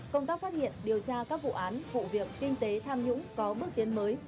công tác phát hiện điều tra các vụ án vụ việc kinh tế tham nhũng có bước tiến mới